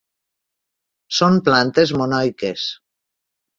Són plantes monoiques.